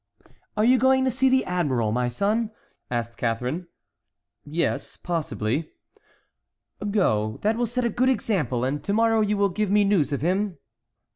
"Are you going to see the admiral, my son?" asked Catharine. "Yes, possibly." "Go, that will set a good example, and to morrow you will give me news of him."